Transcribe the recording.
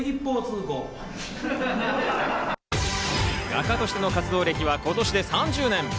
画家としての活動歴は今年で３０年。